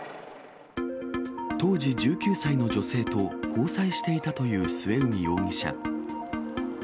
当時１９歳の女性と交際していたという末海容疑者。